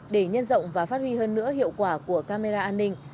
để nhân rộng và phát huy hơn nữa hiệu quả của camera an ninh